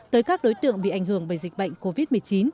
tới các đối tượng bị ảnh hưởng bởi dịch bệnh covid một mươi chín